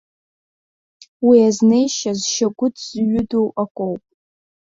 Уи азнеишьа зшьагәыҭ зҩыдоу акоуп.